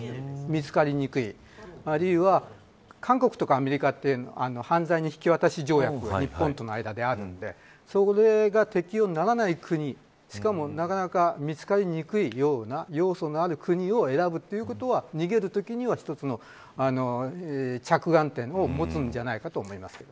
見つかりにくいあるいは、韓国とかアメリカって犯罪人引き渡し条約が日本との間であるんでそれが適用にならない国しかも、なかなか見つかりにくいような要素のある国を選ぶということは逃げるときには一つの着眼点を持つんじゃないかと思います。